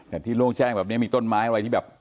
แต่ที่โล่งแจ้งแบบนี้มีต้นไม้อะไรที่แบบ